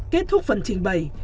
kết thúc phần trình bày